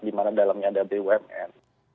di mana dalamnya ada bumn